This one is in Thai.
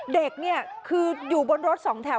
เด็กเนี่ยคืออยู่บนรถสองแถว